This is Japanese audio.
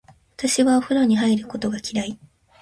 私はお風呂に入ることが嫌い。